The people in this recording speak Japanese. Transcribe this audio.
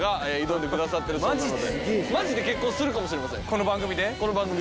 この番組で。